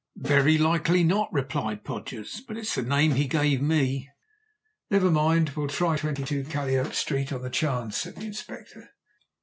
"Very likely not," replied Podgers; "but it's the name he gave me." "Never mind, we'll try 22, Calliope Street, on the chance," said the Inspector.